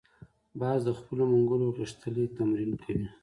باز د خپلو منګولو غښتلي تمرین کوي